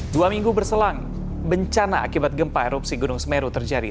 dua minggu berselang bencana akibat gempa erupsi gunung semeru terjadi